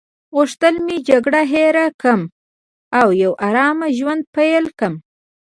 غوښتل مې جګړه هیره کړم او یو آرامه ژوند پیل کړم.